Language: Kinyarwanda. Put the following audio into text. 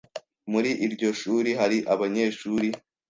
Muri iryo shuri hari abanyeshuri